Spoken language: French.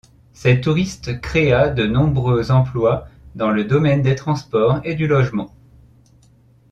Ces touristes créa de nombreux emplois dans le domaine des transports et du logement.